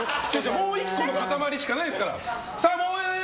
もう１個の塊しかないですから。